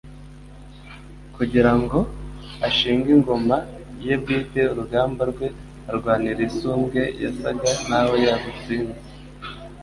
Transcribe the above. kugira ngo ashinge ingoma ye bwite. Urugamba rwe arwanira isumbwe, yasaga naho yarutsinze.